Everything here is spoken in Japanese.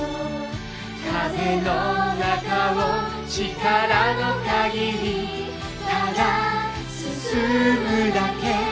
「風の中を力の限りただ進むだけ」